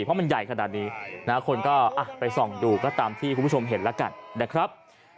เพราะมันใหญ่ขนาดนี้คนก็ไปส่องดูก็ตามที่คุณผู้ชมเห็นแล้วกันนะครับ